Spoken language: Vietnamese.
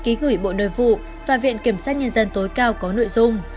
ký gửi bộ nội vụ và viện kiểm sát nhân dân tối cao có nội dung